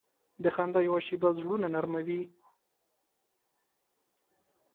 د خندا یوه شیبه زړونه نرمه وي.